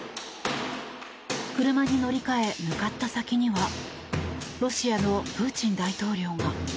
車に乗り換え向かった先にはロシアのプーチン大統領。